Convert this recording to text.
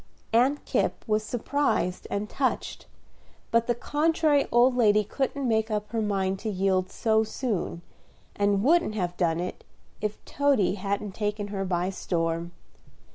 Aunt Kipp was surprised and touched; but the contrary old lady couldn't make up her mind to yield so soon, and wouldn't have done it if Toady hadn't taken her by storm.